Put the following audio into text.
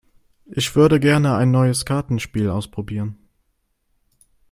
Ich würde gerne ein neues Kartenspiel ausprobieren.